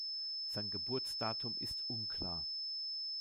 Sein Geburtsdatum ist unklar.